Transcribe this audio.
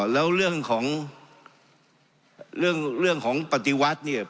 แล้วเรื่องของปฏิวัติผมก็ไม่ได้เป็นใครนะครับ